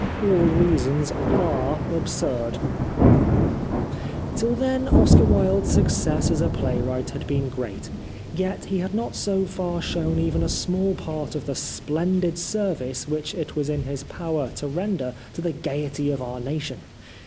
All reasons are absurd !" Till then Oscar Wilde's success as a playwright had been great ; yet he had not so far shown even a small part of the splendid service which it was in his power to render to the gaiety of our nation.